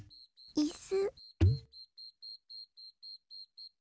いす！